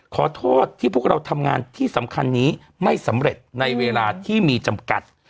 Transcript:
ขอโทษที่พวกเราทำงานที่สำคัญนี้ไม่สำเร็จในเวลาที่มีจำกัด